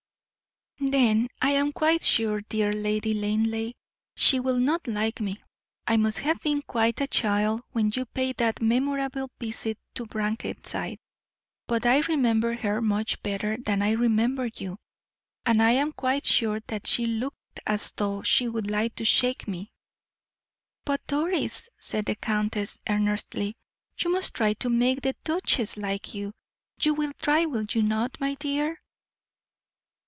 "Then I am quite sure, dear Lady Linleigh, she will not like me. I must have been quite a child when you paid that memorable visit to Brackenside, but I remember her much better than I remember you, and I am quite sure that she looked as though she would like to shake me." "But, Doris," said the countess, earnestly, "you must try to make the duchess like you. You will try, will you not, my dear?"